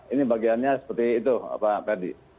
ini bagiannya seperti itu pak ferdi